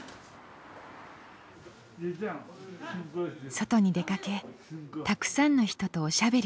外に出かけたくさんの人とおしゃべりすること。